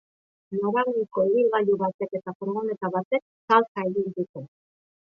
Noranahiko ibilgailu batek eta furgoneta batek talka egin dute.